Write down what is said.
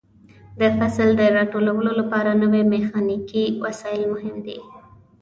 د فصل د راټولولو لپاره نوې میخانیکي وسایل مهم دي.